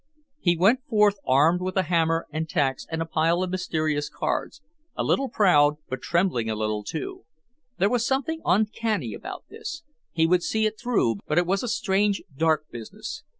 He went forth armed with the hammer and tacks and a pile of mysterious cards, a little proud but trembling a little, too. There was something uncanny about this; he would see it through but it was a strange, dark business.